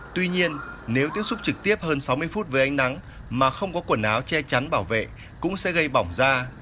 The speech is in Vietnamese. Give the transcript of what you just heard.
tuy nhiên nếu tiếp xúc trực tiếp hơn sáu mươi phút với ánh nắng mà không có quần áo che chắn bảo vệ cũng sẽ gây bỏng da